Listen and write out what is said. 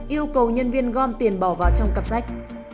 yêu cầu nhân viên gom tiền bỏ vào trong cặp sách